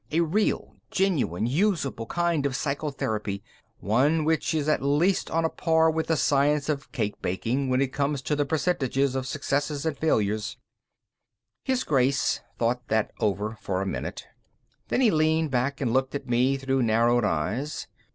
A real, genuine, usable kind of psychotherapy; one which is at least on a par with the science of cake baking when it comes to the percentages of successes and failures." His Grace thought that over for a minute. Then he leaned back and looked at me through narrowed eyes.